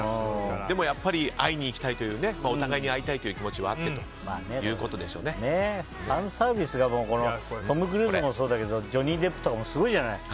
やっぱり会いに行きたいというお互いに会いたいという気持ちはファンサービスがトム・クルーズもそうだけどジョニー・デップとかもすごいじゃない。